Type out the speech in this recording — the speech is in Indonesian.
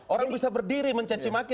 orang bisa berdiri mencancimaki